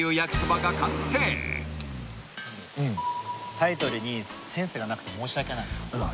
タイトルにセンスがなくて申し訳ない。